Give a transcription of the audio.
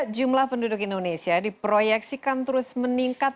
jumlah penduduk indonesia diproyeksikan terus meningkat